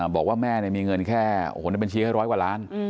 บอกว่าแม่มีเงินแค่ในบัญชีให้ร้อยกว่าล้าน